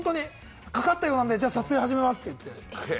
かかったようなので、じゃあ撮影を始めますって言って。